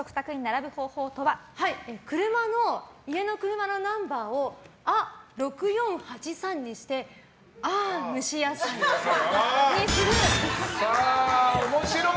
家の車のナンバーをあ６４８３にしてああ、蒸し野菜にする。